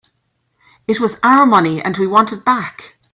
It was our money and we want it back.